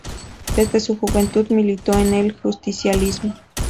Desde su juventud, militó en el justicialismo.